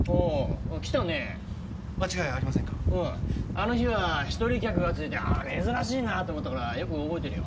あの日は一人客が続いて珍しいなぁと思ったからよく覚えてるよ。